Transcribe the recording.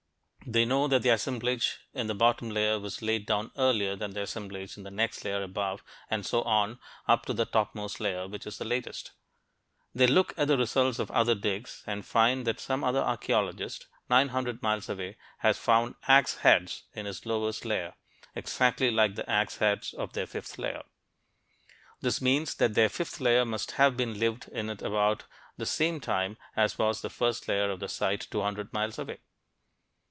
They know that the assemblage in the bottom layer was laid down earlier than the assemblage in the next layer above, and so on up to the topmost layer, which is the latest. They look at the results of other "digs" and find that some other archeologist 900 miles away has found ax heads in his lowest layer, exactly like the ax heads of their fifth layer. This means that their fifth layer must have been lived in at about the same time as was the first layer in the site 200 miles away.